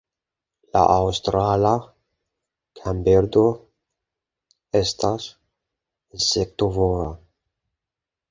La Aŭstrala kanbirdo estas insektovora.